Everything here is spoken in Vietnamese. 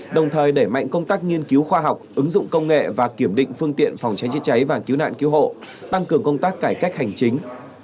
đồng thời đẩy mạnh công tác nghiên cứu khoa học ứng dụng công nghệ và kiểm định phương tiện phòng cháy chữa cháy và cứu nạn cứu hộ tăng cường công tác cải cách hành chính